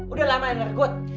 udah lama enggrekut